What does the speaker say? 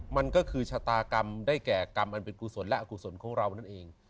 มันก็คือชะตากรรมได้แก่กรรมอันเป็นกุศลและอกุศลของเรานั่นเอง